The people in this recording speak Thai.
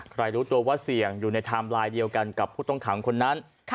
รู้ตัวว่าเสี่ยงอยู่ในไทม์ไลน์เดียวกันกับผู้ต้องขังคนนั้น